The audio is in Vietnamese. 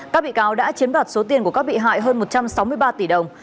các bị cáo đã chiếm đoạt số tiền của các bị hại hơn một trăm sáu mươi ba tỷ đồng